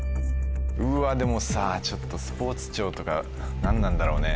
うわでもさぁちょっとスポーツ庁とか何なんだろうね？